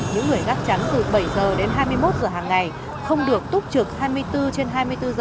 những người gác trắng từ bảy h đến hai mươi một h hàng ngày không được túc trực hai mươi bốn trên hai mươi bốn giờ